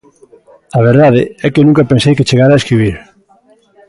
A verdade é que nunca pensei que chegara a escribir.